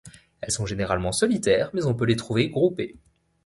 Elles sont généralement solitaires mais on peut les trouver groupées.